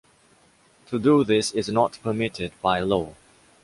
To do this is not permitted by law